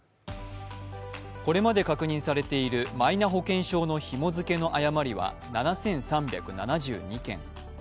これまで確認されているマイナ保険証のひも付けの誤りは７３７２件。